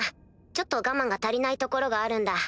ちょっと我慢が足りないところがあるんだ。